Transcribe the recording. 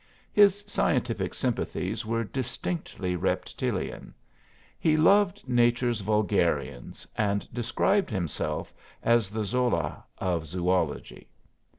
His scientific sympathies were distinctly reptilian; he loved nature's vulgarians and described himself as the Zola of zoölogy.